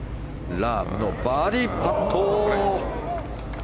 ラームのバーディーパット。